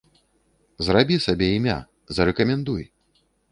Зрабі сабе імя, зарэкамендуй!